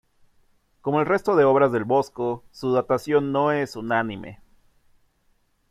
Como el resto de obras del Bosco, su datación no es unánime.